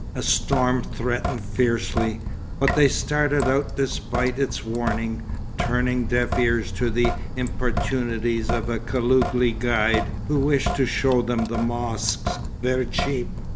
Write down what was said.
A storm threatened fiercely, but they started out despite its warning, turning deaf ears to the importunities of a Koulougli guide who wished to show them the mosques, "ver' cheap."